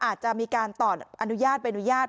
อาจจะมีการต่ออนุญาตใบอนุญาต